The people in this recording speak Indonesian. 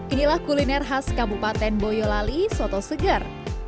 inilah kuliner khas kabupaten boyolali soto seger